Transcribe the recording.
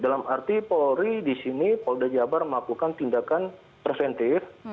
dalam arti polri di sini pol dejabar melakukan tindakan presentif